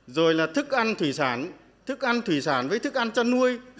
rồi là thức ăn thủy sản thức ăn thủy sản với thức ăn chăn nuôi